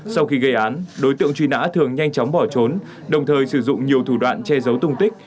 sau khi gây án đối tượng truy nã thường nhanh chóng bỏ trốn đồng thời sử dụng nhiều thủ đoạn che giấu tung tích